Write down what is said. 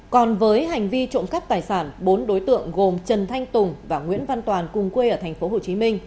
còn với hành vi trộm cắp tài sản bốn đối tượng gồm trần thanh tùng và nguyễn văn toàn cùng quê ở tp hcm